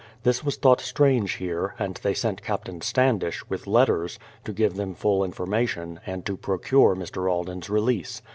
This was thought strange here, and they sent Captain Standish, with letters, to give them full in formation, and to procure Mr. Alden's release.